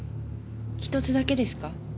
１つだけですか？